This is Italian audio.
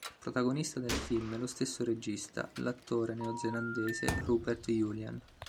Protagonista del film è lo stesso regista: l'attore neozelandese Rupert Julian.